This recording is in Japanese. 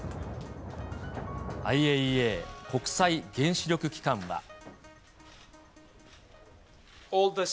ＩＡＥＡ・国際原子力機関は。